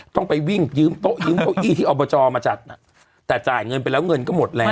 ต้องไปวิ่งยืมโต๊ะยืมเก้าอี้ที่อบจมาจัดแต่จ่ายเงินไปแล้วเงินก็หมดแล้ว